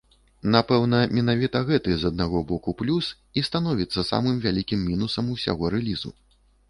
Напэўна, менавіта гэты, з аднаго боку, плюс і становіцца самым вялікім мінусам усяго рэлізу.